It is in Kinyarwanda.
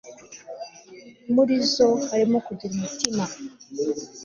muri zo harimo kugira umutima